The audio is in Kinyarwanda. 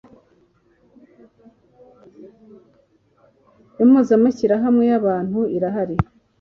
Impuzamashyirahamwe y ‘abantu irahari.